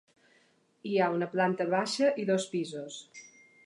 Hi ha una planta baixa i dos pisos.